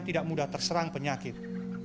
tidak mudah terserang penyakit